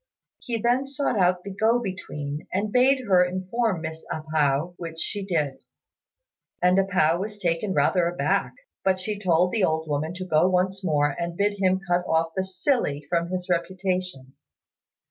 He then sought out the go between, and bade her inform Miss A pao, which she did; and A pao was taken rather aback, but she told the old woman to go once more and bid him cut off the "silly" from his reputation.